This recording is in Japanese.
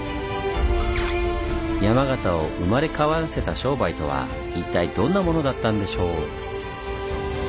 山形を生まれ変わらせた商売とは一体どんなものだったんでしょう？